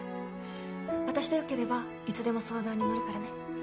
私でよければいつでも相談にのるからね